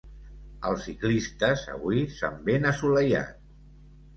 Els ciclistes avui s'han ben assolellat.